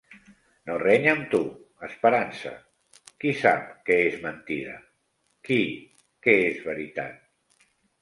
No reny amb tu, esperança; qui sap què és mentida? Qui què és veritat?